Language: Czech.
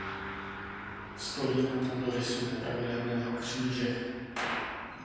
Stojí na půdorysu nepravidelného kříže.